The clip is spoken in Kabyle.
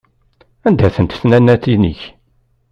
Anda-tent tnannatin-ik?